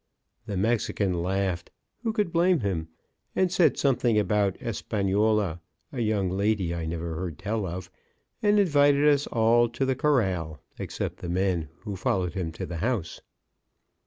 The Mexican laughed who could blame him and said something about Espanola, a young lady I never heard tell of, and invited us all to the corral, except the men, who followed him to the house.